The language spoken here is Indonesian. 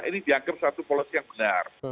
ini dianggap satu policy yang benar